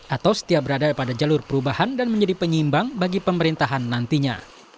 atau setiap berada pada jalur perubahan dan menjadi penyimbang bagi pemerintahan nantinya